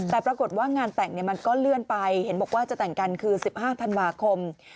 แต่ปรากฏว่างานแต่งมันก็เลื่อนไปเห็นบอกว่าจะแต่งกันคือ๑๕ธันวาคม